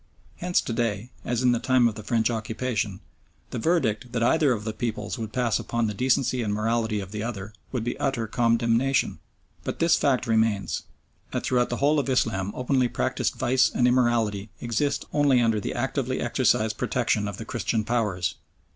Hence to day, as in the time of the French occupation, the verdict that either of the peoples would pass upon the decency and morality of the other, would be utter condemnation. But this fact remains that throughout the whole of Islam openly practised vice and immorality exist only under the actively exercised protection of the Christian Powers.